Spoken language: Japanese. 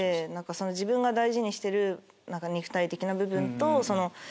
自分が大事にしてる肉体的な部分と。